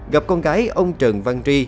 gặp con gái ông trần văn tri